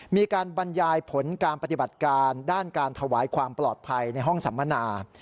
มีการบรรยายผลการปฏิบัติการด้านการถวายความปลอดภัยในห้องสัมมนา